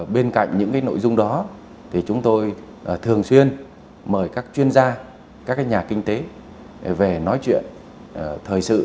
bên cạnh những nội dung đó thì chúng tôi thường xuyên mời các chuyên gia các nhà kinh tế về nói chuyện thời sự